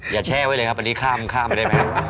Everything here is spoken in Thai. อย่าแช่ไว้เลยครับอันนี้ข้ามไปได้ไหมครับ